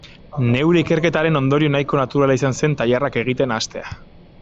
Neure ikerketaren ondorio nahiko naturala izan zen tailerrak egiten hastea.